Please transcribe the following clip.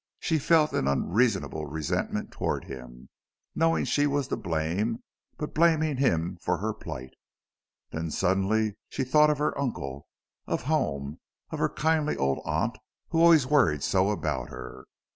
She felt an unreasonable resentment toward him, knowing she was to blame, but blaming him for her plight. Then suddenly she thought of her uncle, of home, of her kindly old aunt who always worried so about her.